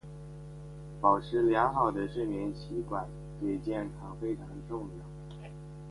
保持良好的睡眠习惯对健康非常重要。